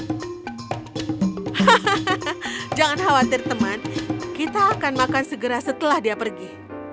hahaha jangan khawatir teman kita akan makan segera setelah dia pergi